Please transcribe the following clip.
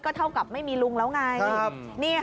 เท่ากับไม่มีลุงแล้วไง